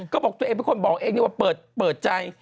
ก็บอกตัวเองเป็นคนบอกเองนี่ว่าเปิดใจ